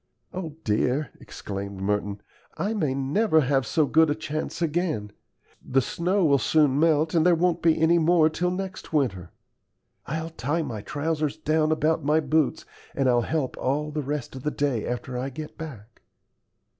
"O dear!" exclaimed Merton, "I may never have so good a chance again. The snow will soon melt, and there won't be any more till next winter. I'll tie my trousers down about my boots, and I'll help all the rest of the day after I get back."